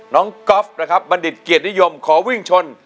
ก๊อฟนะครับบัณฑิตเกียรตินิยมขอวิ่งชน